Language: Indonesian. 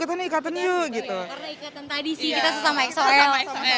karena ikutin tadi sih kita sesama xoil